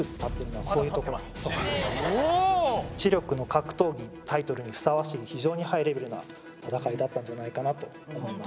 「知力の格闘技」タイトルにふさわしい非常にハイレベルな闘いだったんじゃないかなと思います。